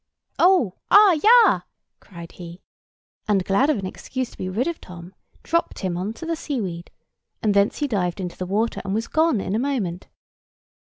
"Oh! ah! yah!" cried he; and glad of an excuse to be rid of Tom, dropped him on to the seaweed, and thence he dived into the water and was gone in a moment.